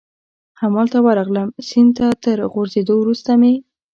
همالته ورغلم، سیند ته تر غورځېدو وروسته مې.